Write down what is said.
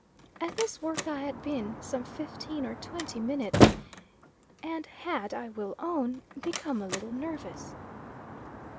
At this work I had been some fifteen or twenty minutes, and had, I will own, become a little nervous.